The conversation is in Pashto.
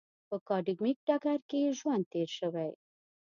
په اکاډمیک ډګر کې یې ژوند تېر شوی.